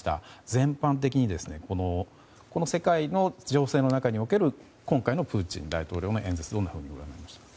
全般的にこの世界の中における今回のプーチン大統領の演説どんなふうにご覧になりましたか。